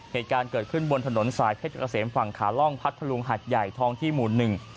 เหตุการณ์เกิดขึ้นบนถนนสายเพชรเกษมฝั่งขาล่องพัทธลุงหัดใหญ่ท้องที่หมู่หนึ่ง